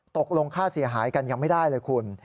ตกลงค่าเสียหายกันยังไม่ได้เลยคุณ